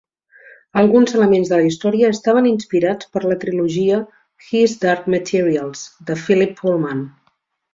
Alguns elements de la història estaven inspirats per la trilogia "His Dark Materials" de Philip Pullman.